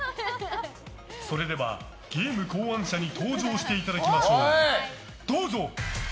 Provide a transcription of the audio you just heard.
それではゲーム考案者に登場していただきましょう。